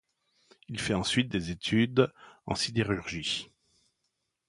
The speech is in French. Il fait ensuite des études en sidérurgie.